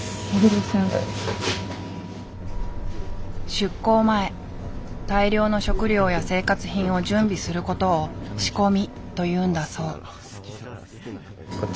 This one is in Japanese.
出港前大量の食料や生活品を準備することを「仕込み」というんだそう。